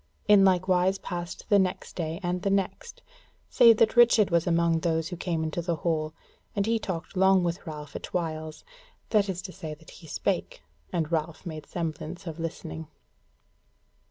In like wise passed the next day and the next, save that Richard was among those who came into the hall, and he talked long with Ralph at whiles; that is to say that he spake, and Ralph made semblance of listening.